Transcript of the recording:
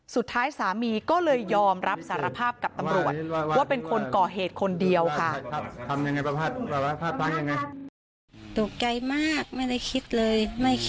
สุดท้ายสามีก็เลยยอมรับสารภาพกับตำรวจว่าเป็นคนก่อเหตุคนเดียวค่ะ